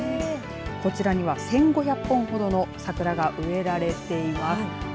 こちらには１５００本ほどの桜が植えられています。